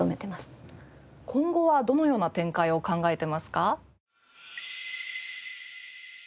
今後はどのような展開を考えてますか？